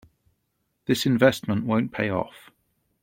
This investment won't pay off.